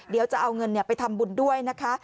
เดี๋ยวจะเอาเงินไปทำบุญด้วยนะคะ